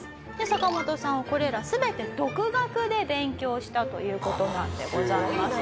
サカモトさんはこれら全て独学で勉強したという事なんでございます。